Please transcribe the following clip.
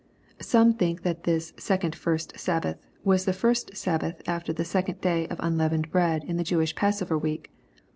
Some think that this second first Sabbath, was the first Sabbath after the second day of unleavened bread in the Jewish Passover week.